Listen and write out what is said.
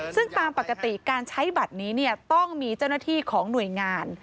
ซึ่งตามปกติการใช้บัตรนี้ต้องมีเจ้าหน้าที่ของหน่วยงาน